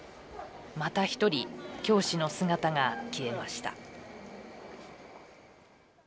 また１人教師の姿が消えました。